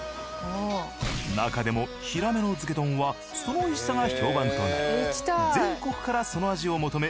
なかでもヒラメの漬け丼はその美味しさが評判となり全国からその味を求め